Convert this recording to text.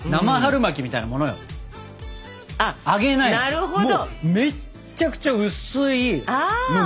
なるほど。